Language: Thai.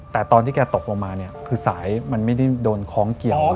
แต่ตอนที่แกตกลงมาเนี่ยคือสายมันไม่ได้โดนคล้องเกี่ยว